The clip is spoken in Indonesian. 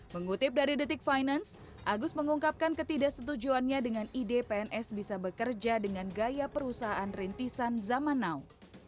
mengutip dari detik finance agus mengungkapkan ketidaksetujuannya dengan ide pns bisa bekerja dengan gaya perusahaan rintisan zaman now